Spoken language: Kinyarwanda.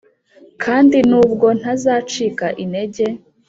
kandi nubwo ntazacika intege, -